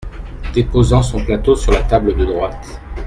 Déposant son plateau sur la table de droite.